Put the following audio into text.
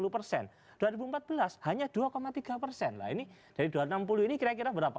dua puluh persen dua ribu empat belas hanya dua tiga persen lah ini dari dua ratus enam puluh ini kira kira berapa